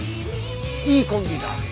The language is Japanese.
いいコンビだ。